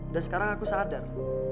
dan sekarang aku sadar